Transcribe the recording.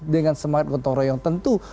dengan semangat dottoroy yang tentu